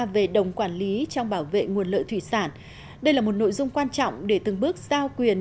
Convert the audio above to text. về đồng quản lý trong bảo vệ nguồn lợi thủy sản đây là một nội dung quan trọng để từng bước giao quyền